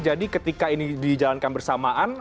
jadi ketika ini dijalankan bersamaan